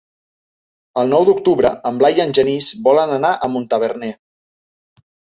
El nou d'octubre en Blai i en Genís volen anar a Montaverner.